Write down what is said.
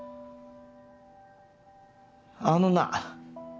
あのな。